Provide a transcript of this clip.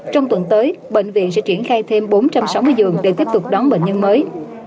trong tuần tới bệnh viện sẽ triển khai thêm bốn trăm sáu mươi giường để tiếp tục đón bệnh nhân mới